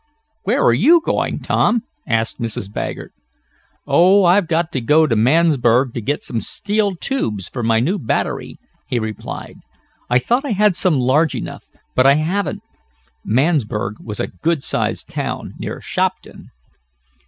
"Where are you going, Tom?" asked Mrs. Baggert. "Oh, I've got to go to Mansburg to get some steel tubes for my new battery," he replied. "I thought I had some large enough, but I haven't." Mansburg was a good sized town, near Shopton.